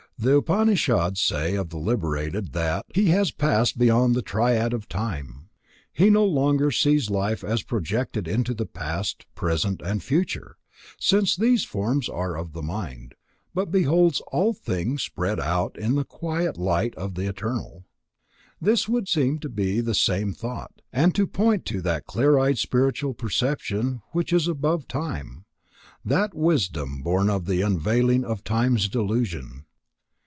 The Upanishads say of the liberated that "he has passed beyond the triad of time"; he no longer sees life as projected into past, present and future, since these are forms of the mind; but beholds all things spread out in the quiet light of the Eternal. This would seem to be the same thought, and to point to that clear eyed spiritual perception which is above time; that wisdom born of the unveiling of Time's delusion.